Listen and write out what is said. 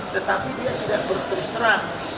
tetapi dia tidak berkustera